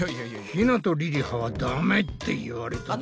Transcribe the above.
ひなとりりははダメって言われたぞ。